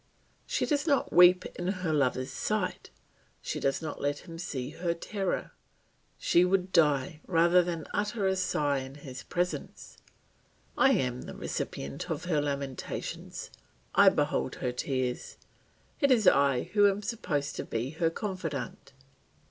She does not weep in her lover's sight, she does not let him see her terror; she would die rather than utter a sigh in his presence. I am the recipient of her lamentations, I behold her tears, it is I who am supposed to be her confidant.